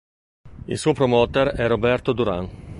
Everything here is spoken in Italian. Il suo promoter è Roberto Durán.